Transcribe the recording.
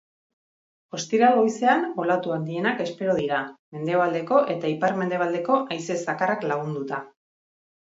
Ostiral goizean olatu handienak espero dira, mendebaldeko eta ipar-mendebaldeko haize zakarrak lagunduta.